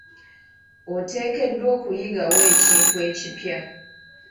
Oteekeddwa okuyigawo ekintu ekipya.